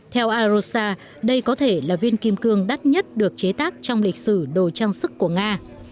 theo arosa đây có thể là viên kim cương đắt nhất được chế tác trong lịch sử đồ trang sức của nga